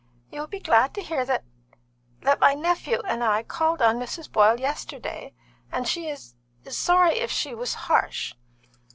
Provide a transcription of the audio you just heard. You will be glad to hear that that my nephew and I called on Mrs. Boyle yesterday, and she is sorry if she was harsh.